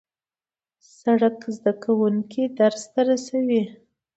سړک زدهکوونکي درس ته رسوي.